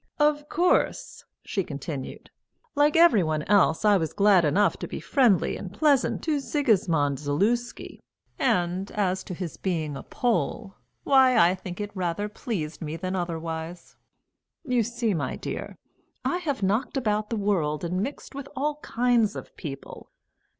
"Of course," she continued, "like every one else, I was glad enough to be friendly and pleasant to Sigismund Zaluski, and as to his being a Pole, why, I think it rather pleased me than otherwise. You see, my dear, I have knocked about the world and mixed with all kinds of people.